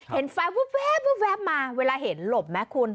เห็นไฟบุ๊บแวบมาเวลาเห็นหลบไหมคุณ